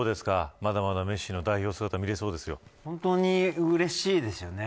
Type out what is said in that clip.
まだまだメッシの代表姿本当にうれしいですよね。